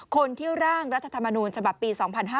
คนที่ร่างรัฐธรรมนูญฉบับปี๒๕๕๙